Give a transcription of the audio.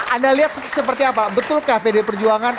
anda lihat seperti apa betulkah pd perjuangan